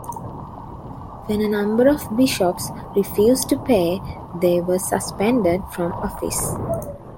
When a number of bishops refused to pay, they were suspended from office.